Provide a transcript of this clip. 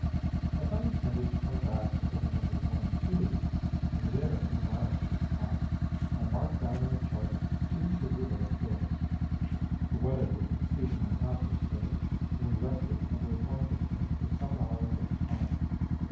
As I intended to come back over Nos. 1 and 2, and within a few miles of this spot, I marked down on the chart two sugar loaf hills. The weather was exceedingly hot this day, and we rested under a blanket tent for some hours at the ponds.